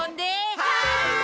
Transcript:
はい！